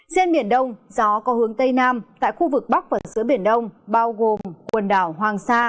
trên biển đông gió có hướng tây nam tại khu vực bắc và giữa biển đông bao gồm quần đảo hoàng sa